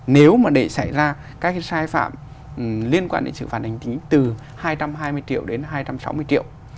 nếu mà để xảy ra các cái sai phạm liên quan đến sự phạt hành chính từ hai trăm hai mươi triệu đến hai trăm sáu mươi triệu